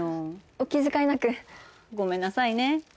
お気遣いなくごめんなさいねご